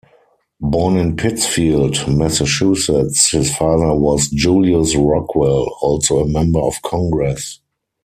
Born in Pittsfield, Massachusetts, his father was Julius Rockwell, also a member of Congress.